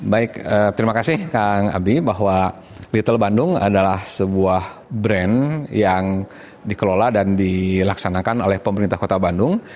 baik terima kasih kang abi bahwa little bandung adalah sebuah brand yang dikelola dan dilaksanakan oleh pemerintah kota bandung